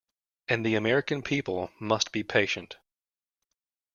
And the American people must be patient.